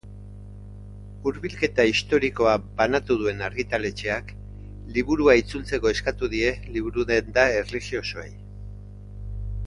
Hurbilketa historikoa, banatu duen argitaletxeak liburua itzultzeko eskatu die liburudenda erlijiosoei.